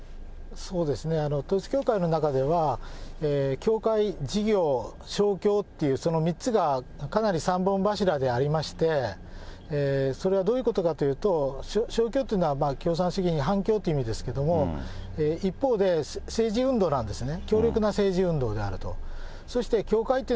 そうですね、統一教会の中では、教会、事業、勝共っていうその３つがかなり３本柱でありまして、それはどういうことかというと、勝共というのは共産主義に反共っていう意味ですけれども、一方で、政治運動なんですね。